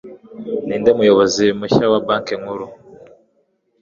Ninde Muyobozi mushya wa banki nkuru